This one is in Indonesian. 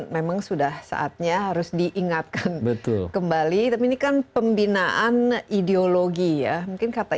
memang sudah saatnya harus diingatkan betul kembali tapi ini kan pembinaan ideologi ya mungkin kata